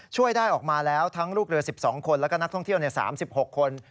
ช่วยได้ออกมาแล้วทั้งลูกเรือ๑๒คนแล้วก็นักท่องเที่ยว๓๖คน